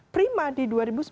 prima di dua ribu sembilan belas